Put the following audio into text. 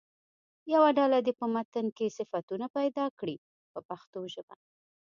یوه ډله دې په متن کې صفتونه پیدا کړي په پښتو ژبه.